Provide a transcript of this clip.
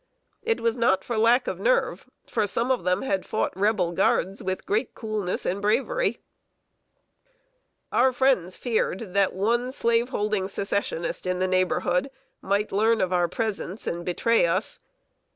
It was not from lack of nerve; for some of them had fought Rebel guards with great coolness and bravery. [Sidenote: A REPENTANT REBEL.] Our friends feared that one slaveholding Secessionist in the neighborhood might learn of our presence, and betray us.